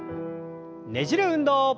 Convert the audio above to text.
ねじる運動。